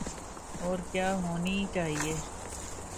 اور کیا ہونی چاہیے۔